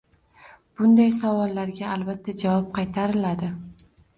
Bunday savollarga albatta javob qaytariladi